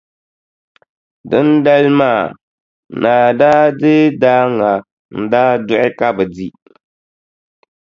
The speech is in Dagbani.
Dindali maa, naa daa deei daaŋa n-daa duɣi ka bɛ di.